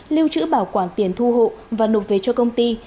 lưu trữ bảo quản tiền thu hộ và nộp về cho công ty